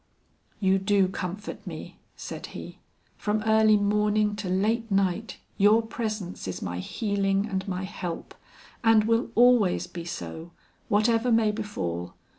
"You do comfort me," said he; "from early morning to late night your presence is my healing and my help, and will always be so, whatever may befal.